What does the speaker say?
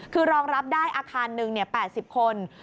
คือรองรับได้อาคารหนึ่ง๘๐คน